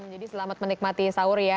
jadi selamat menikmati sahur ya